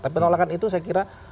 tapi penolakan itu saya kira